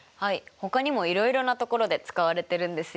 ほかにもいろいろなところで使われてるんですよ。